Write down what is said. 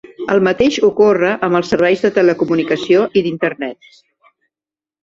El mateix ocorre amb els serveis de telecomunicació i d'Internet.